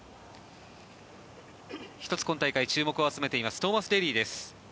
１つ、今大会注目を集めていますトーマス・デーリーです。